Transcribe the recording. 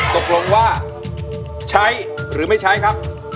ตกลงว่าใช้หรือไม่ใช้ครับ